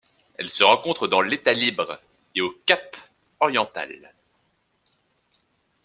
Elle se rencontre dans l'État-Libre et au Cap-Oriental.